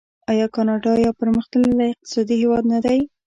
آیا کاناډا یو پرمختللی اقتصادي هیواد نه دی؟